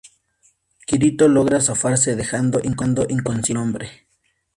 Kirito logra zafarse, dejando inconsciente al hombre.